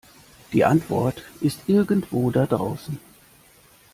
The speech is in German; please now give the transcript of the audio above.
Die Antwort ist irgendwo da draußen.